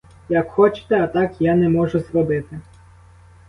Як хочете, а так я не можу зробити!